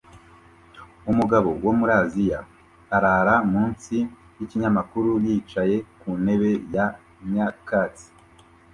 Umugabo wo muri Aziya arara munsi yikinyamakuru yicaye ku ntebe ya nyakatsi